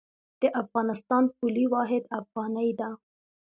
د افغانستان پولي واحد افغانۍ ده